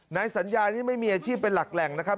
นายสัญญานี่ไม่มีอาชีพเป็นหลักแหล่งนะครับ